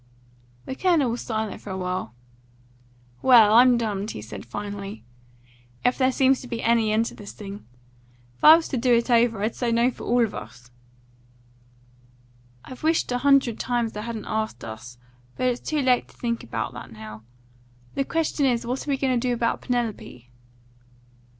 The Colonel was silent for a while. "Well, I'm dumned," he said finally, "if there seems to be any end to this thing. If it was to do over again, I'd say no for all of us." "I've wished a hundred times they hadn't asked us; but it's too late to think about that now. The question is, what are we going to do about Penelope?"